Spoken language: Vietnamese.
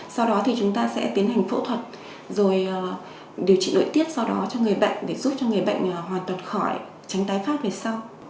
sau đó thì chúng ta sẽ tiến hành phẫu thuật rồi điều trị nội tiết sau đó cho người bệnh để giúp cho người bệnh hoàn toàn khỏi tránh tái phát về sau